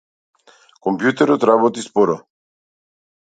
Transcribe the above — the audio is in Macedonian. Компјутерот работи споро.